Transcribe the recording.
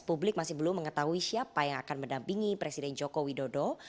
publik masih belum mengetahui siapa yang akan mendampingi presiden joko widodo